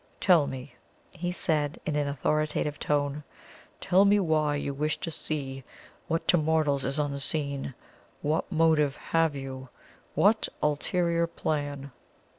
"Tell me," he said in an authoritative tone, "tell me WHY you wish to see what to mortals is unseen? What motive have you? What ulterior plan?"